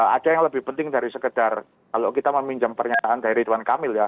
ada yang lebih penting dari sekedar kalau kita meminjam pernyataan dari ridwan kamil ya